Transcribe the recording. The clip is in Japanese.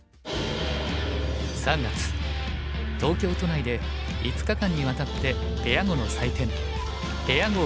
３月東京都内で５日間にわたってペア碁の祭典ペア碁